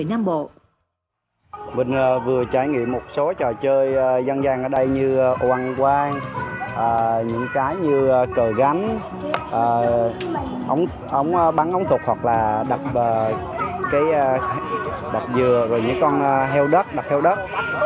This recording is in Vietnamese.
những trò chơi dàng có thể gọi là hạt lúa cờ gắn bắn ống thuộc đập dừa đập heo đất